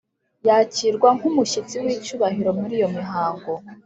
yakirwa nk'umushyitsi w'icyubahiro muri iyo mihango.